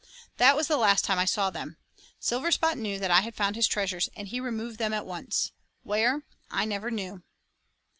That was the last time I saw them. Silverspot knew that I had found his treasures, and he removed them at once; where, I never knew.